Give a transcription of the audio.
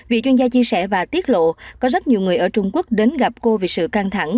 vị chuyên gia chia sẻ và tiết lộ có rất nhiều người ở trung quốc đến gặp cô vì sự căng thẳng